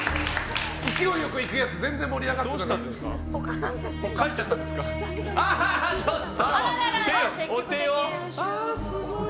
勢いよくいくやつ全然盛り上がってない。